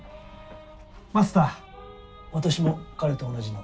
マスター私も彼と同じの。